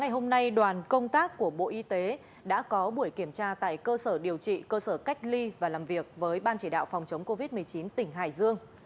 hôm nay đoàn công tác của bộ y tế đã có buổi kiểm tra tại cơ sở điều trị cơ sở cách ly và làm việc với ban chỉ đạo phòng chống covid một mươi chín tỉnh hải dương